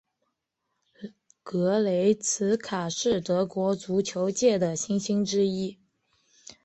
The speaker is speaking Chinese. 格雷茨卡是德国足球界的新星之一。